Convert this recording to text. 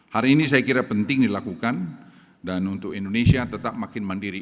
hari ini saya kira penting dilakukan dan untuk indonesia tetap makin mandiri